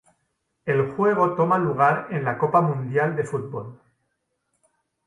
El juego toma lugar en la Copa Mundial de Fútbol.